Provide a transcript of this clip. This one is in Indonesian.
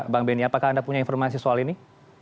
bang benny apakah anda punya informasi soal ini